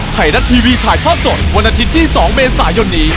ไทยรัฐทีวีถ่ายภาพสดวันอาทิตย์ที่๒เมษายนนี้